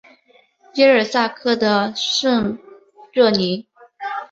耶尔萨克的圣热尼。